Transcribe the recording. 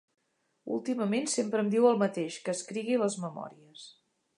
Últimament sempre em diu el mateix, que escrigui les memòries.